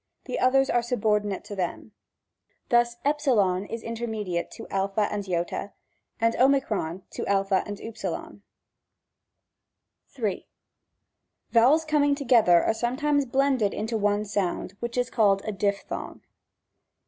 The others are subordinate to them. Thus s is intermediate to a and ^, and o, to a and t/. 3. Vowels coming together are sometimes blended into one sound, which is called a diphthong.